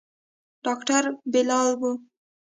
ډاکتر بلال و.